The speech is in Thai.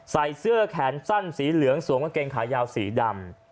ใส่เสื้อแขนสั้นสีเหลืองสวมกางเกงขายาวสีดำ